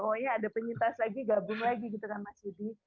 pokoknya ada penyintas lagi gabung lagi gitu kan mas yudi